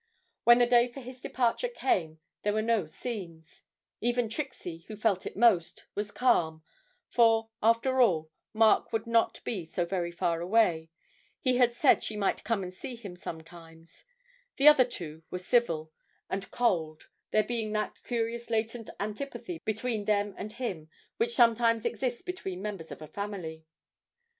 When the day for his departure came, there were no scenes; even Trixie, who felt it most, was calm, for, after all, Mark would not be so very far away, he had said she might come and see him sometimes; the other two were civil, and cold, there being that curious latent antipathy between them and him which sometimes exists between members of a family.